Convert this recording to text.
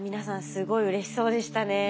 すごいうれしそうでしたね。